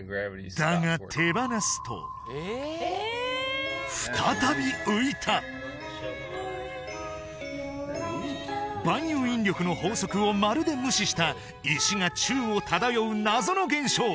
だが再び万有引力の法則をまるで無視した石が宙を漂う謎の現象